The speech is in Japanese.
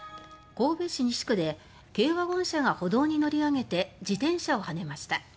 神戸市西区で軽ワゴン車が歩道に乗り上げて自転車をはねました。